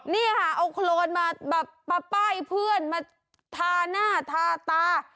นี่ค่ะเอาโครนมาแบบปะป้ายเพื่อนมาทาหน้าทาตา